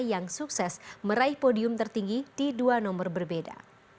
yang sukses meraih podium tertinggi di dua nomor berbeda